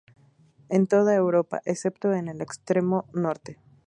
En toda Europa, excepto en el extremo norte.